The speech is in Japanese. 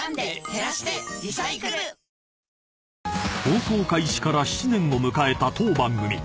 ［放送開始から７年を迎えた当番組］